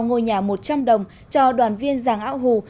ngôi nhà một trăm linh đồng cho đoàn viên giàng áo hù